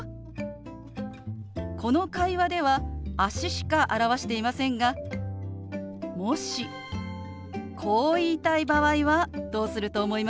この会話では足しか表していませんがもしこう言いたい場合はどうすると思いますか？